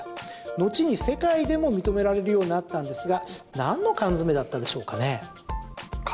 後に世界でも認められるようになったんですがなんの缶詰だったでしょうかね。